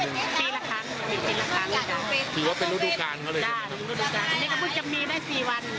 ถือว่าเป็นรูปดูกการก็เลยใช่ไหมครับจ้ะเป็นรูปดูกการนี่ก็พูดจะมีได้๔วันอายุมักตัวสร้างอีก